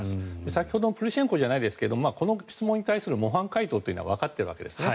先ほどのプルシェンコじゃないですけどこの質問に対する模範解答はわかっているわけですね。